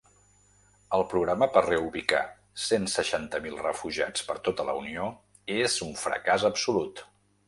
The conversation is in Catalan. El programa per reubicar cent seixanta mil refugiats per tota la unió és un fracàs absolut.